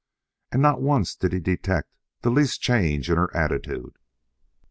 And not once did he detect the least change in her attitude.